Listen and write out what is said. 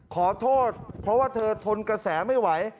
ขอโทษเพราะว่าเธอทนกระแสไม่ไหว